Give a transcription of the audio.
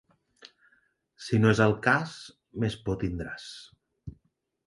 Si no és el cas, més por tindràs.